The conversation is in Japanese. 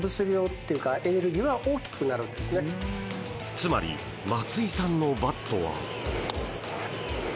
つまり松井さんのバットは。